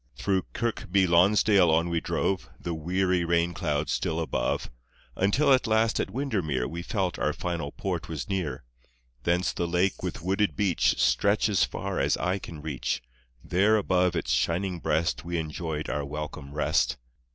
Through Kirkby Lonsdale on we drove, The weary rain clouds still above, Until at last at Windermere We felt our final port was near, Thence the lake with wooded beach Stretches far as eye can reach. There above its shining breast We enjoyed our welcome rest.